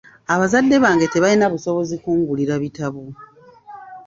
Abazadde bange tebalina busobozi kungulira bitabo.